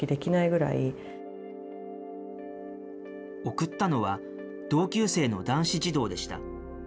送ったのは、同級生の男子児童でした。